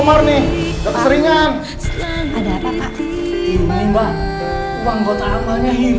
bunda itu kan cahaya banget sama kamu